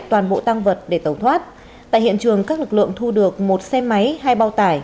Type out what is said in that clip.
toàn bộ tăng vật để tẩu thoát tại hiện trường các lực lượng thu được một xe máy hai bao tải